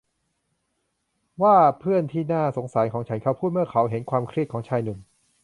ว้า เพื่อนที่น่าสงสารของฉัน เขาพูด เมื่อเค้าเห็นความเครียดของชายหนุ่ม